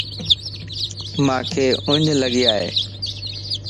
مانکَ اُنڃ لڳي ائي